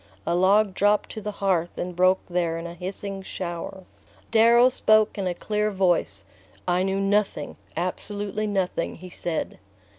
A log dropped to the hearth and broke there in a hissing shower. Darrow spoke in a clear voice. "I knew nothing, absolutely nothing," he said.